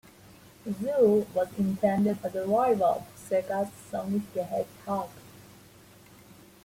"Zool" was intended as a rival to Sega's "Sonic the Hedgehog".